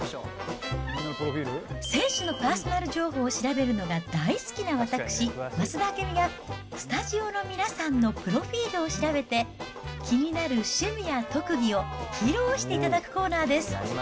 選手のパーソナル情報を調べるのが大好きな私、増田明美がスタジオの皆さんのプロフィールを調べて、気になる趣味や特技を披露していただくコーナーです。